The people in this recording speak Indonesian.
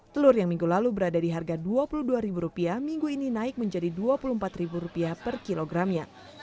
telur yang minggu lalu berada di harga rp dua puluh dua minggu ini naik menjadi rp dua puluh empat per kilogramnya